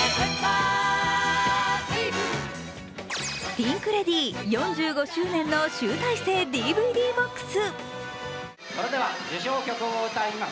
ピンク・レディー４５周年の集大成ＤＶＤボックス。